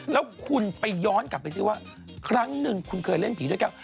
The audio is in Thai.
แล้วคุณไปย้อนกลับไปสิว่าครั้งหนึ่งคุณเคยเล่นผีด้วยกัน